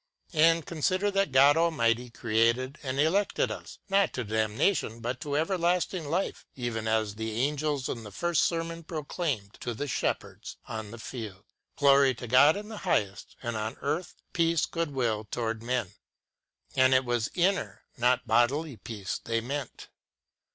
And consider that God Almighty created and elected us, not to damnation, but to everlasting life, even as the angels in the first sermon proclaimed to the shepherds on the field :" Glory to God in the highest, and on earth peace, good will toward men !" And it was inner, not bodily peace they meant.